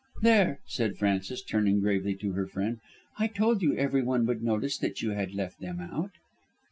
"There," said Frances, turning gravely to her friend, "I told you everyone would notice that you had left them out."